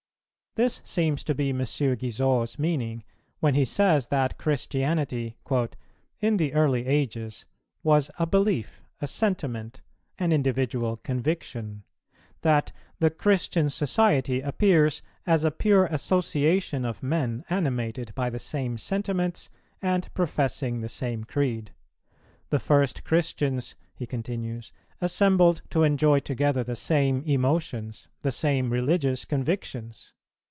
This seems to be M. Guizot's meaning when he says that Christianity "in the early ages was a belief, a sentiment, an individual conviction;"[360:1] that "the Christian society appears as a pure association of men animated by the same sentiments and professing the same creed. The first Christians," he continues, "assembled to enjoy together the same emotions, the same religious convictions.